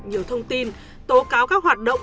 nhiều thông tin tố cáo các hoạt động